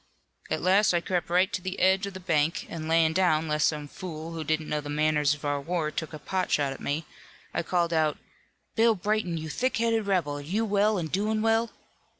"At last I crept right to the edge of the bank an' layin' down lest some fool who didn't know the manners of our war take a pot shot at me, I called out, 'Bill Brayton, you thick headed rebel, are you well an' doin' well?'